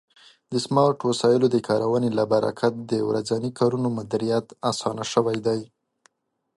د سمارټ وسایلو د کارونې له برکت د ورځني کارونو مدیریت آسانه شوی دی.